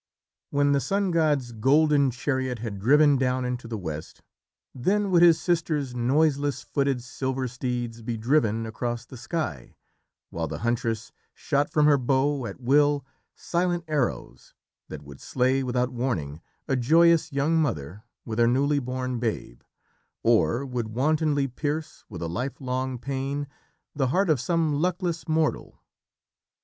When the sun god's golden chariot had driven down into the west, then would his sister's noiseless footed silver steeds be driven across the sky, while the huntress shot from her bow at will silent arrows that would slay without warning a joyous young mother with her newly born babe, or would wantonly pierce, with a lifelong pain, the heart of some luckless mortal.